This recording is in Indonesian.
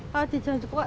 kalau di jamu cokok